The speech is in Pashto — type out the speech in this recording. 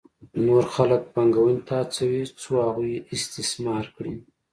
نور خلک پانګونې ته هڅوي څو هغوی استثمار کړي